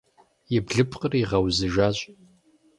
И блыпкъыр игъэузыжащ.